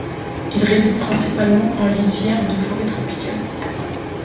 Il réside principalement en lisière de forêt tropicale.